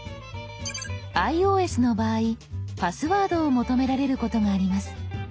ｉＯＳの場合パスワードを求められることがあります。